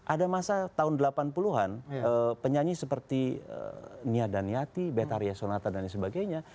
ada masa tahun delapan puluh an penyanyi seperti nia daniati betaria sonata dan sebagainya